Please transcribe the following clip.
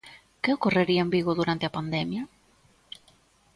¿Que ocorrería en Vigo durante a pandemia?